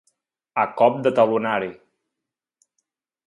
A cop de talonari.